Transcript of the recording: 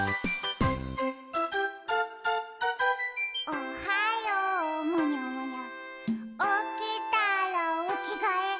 「おはようむにゃむにゃおきたらおきがえ」